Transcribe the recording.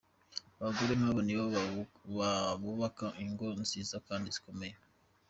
Abagore nk’abo ni bo bubaka ingo nziza kandi zikomeye.